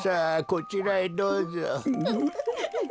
こちらへどうぞ。